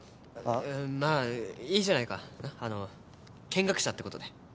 あぁまぁいいじゃないかあの見学者ってことで。